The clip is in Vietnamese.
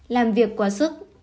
làm việc quá sức